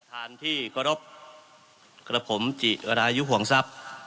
ท่านที่กรบครับผมจิอรายุห่วงทรัพย์